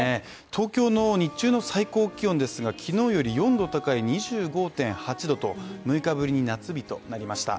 東京の日中の最高気温ですが、昨日より４度高い２５．８度と６日ぶりに夏日となりました。